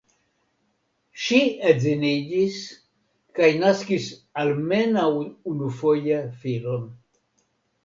Ŝi edziniĝis kaj naskis almenaŭ unufoje filon.